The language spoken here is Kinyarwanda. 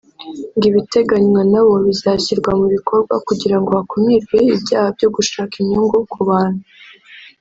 ngo ibiteganywa nawo bizashyirwa mu bikorwa kugira ngo hakumirwe ibyaha byo gushaka inyungu ku bantu